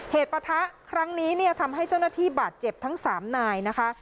ปะทะครั้งนี้เนี่ยทำให้เจ้าหน้าที่บาดเจ็บทั้ง๓นายนะคะ